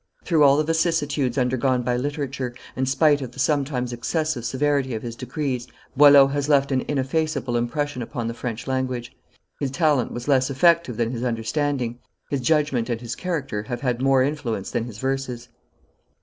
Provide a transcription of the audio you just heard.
Through all the vicissitudes undergone by literature, and spite of the sometimes excessive severity of his decrees, Boileau has left an ineffaceable impression upon the French language. His talent was less effective than his understanding; his judgment and his character have had more influence fluence than his verses.